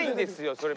それ。